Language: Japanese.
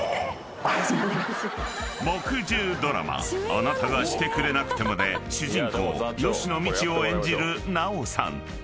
［木１０ドラマ『あなたがしてくれなくても』で主人公吉野みちを演じる奈緒さん］